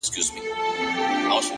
په بوتلونو شـــــراب ماڅښلي،